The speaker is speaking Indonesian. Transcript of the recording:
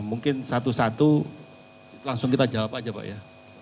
mungkin satu satu langsung kita jawab aja pak ya